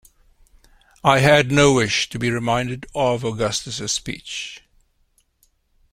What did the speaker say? I had no wish to be reminded of Augustus's speech.